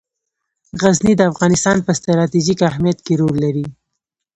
غزني د افغانستان په ستراتیژیک اهمیت کې رول لري.